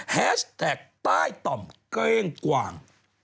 แฮชแท็กใต้ต่อมเก้งกว่าง